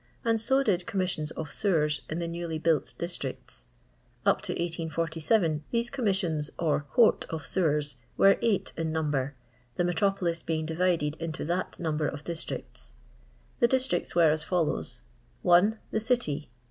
and so did Commis sions of J:5cwer8 in the newly built distri^ ts. Cp U 1817 these Commissions or Court of Sewert wen a'f/fit in number, the metropolis being divided into that number of districts. The districts were as follows : 1. The City.